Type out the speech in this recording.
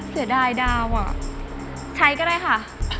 เสียดายดาวใช้ก็ได้ค่ะ